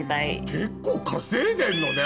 結構稼いでんのね。